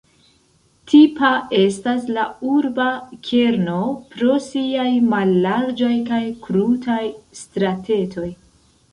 Tipa estas la urba kerno pro siaj mallarĝaj kaj krutaj stratetoj.